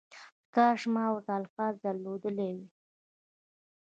کاش ما ورته الفاظ درلودلای